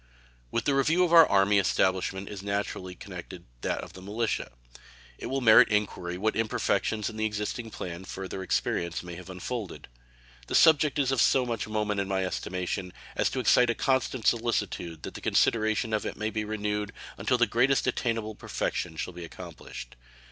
With the review of our Army establishment is naturally connected that of the militia. It will merit inquiry what imperfections in the existing plan further experience may have unfolded. The subject is of so much moment in my estimation as to excite a constant solicitude that the consideration of it may be renewed until the greatest attainable perfection shall be accomplished.